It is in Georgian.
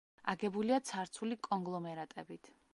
აგებულია ცარცული კონგლომერატებით.